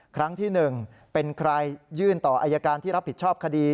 ครั้งที่๑เป็นใครยื่นต่ออายการที่รับผิดชอบคดี